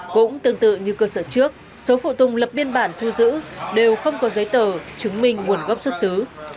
cũng tương tự như cơ sở trước số phụ tùng lập biên bản thu giữ đều không có giấy tờ chứng minh nguồn gốc xuất xứ